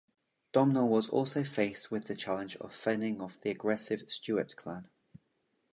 Domhnall was also faced with the challenge of fending off the aggressive Stewart clan.